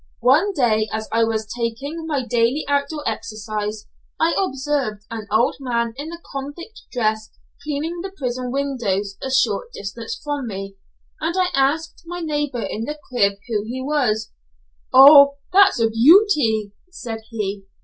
One day, as I was taking my daily outdoor exercise, I observed an old man in the convict dress cleaning the prison windows a short distance from me, and I asked my neighbour in the crib who he was. "O! that's a beauty," said he.